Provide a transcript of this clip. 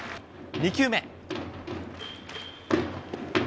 ２球目。